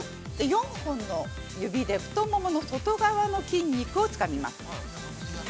４本の指で太ももの外側の筋肉をつかみます。